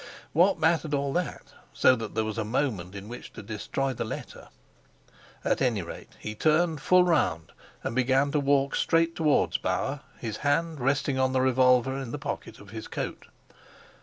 What mattered all that, so that there was a moment in which to destroy the letter? At any rate he turned full round and began to walk straight towards Bauer, his hand resting on the revolver in the pocket of his coat.